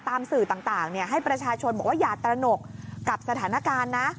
สื่อต่างให้ประชาชนบอกว่าอย่าตระหนกกับสถานการณ์นะ